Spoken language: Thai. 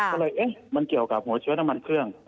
ก็เลยเอ๊ะมันเกี่ยวกับหัวเชื้อน้ำมันเครื่อง